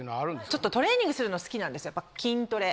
ちょっとトレーニングするの好きなんですよ筋トレ。